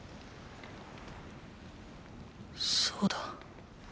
そうだ。